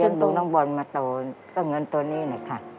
เลี้ยงดูลูกหลานบอลมาโตก็เงินตัวนี้นะครับ